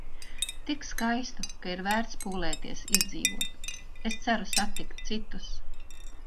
Tik skaistu, ka ir vērts pūlēties izdzīvot. Es ceru satikt citus.